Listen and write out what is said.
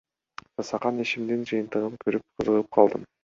Жасаган ишимдин жыйынтыгын көрүп, кызыгып калдым.